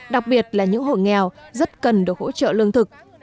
đặc biệt là những hộ nghèo rất cần được hỗ trợ lương thực